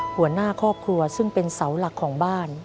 หัวหน้าครอบครัวซึ่งเป็นเสาหลักของบ้าน